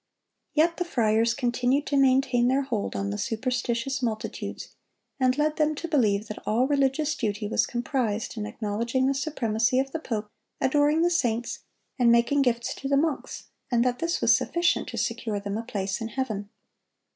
Yet the friars continued to maintain their hold on the superstitious multitudes, and led them to believe that all religious duty was comprised in acknowledging the supremacy of the pope, adoring the saints, and making gifts to the monks, and that this was sufficient to secure them a place in heaven.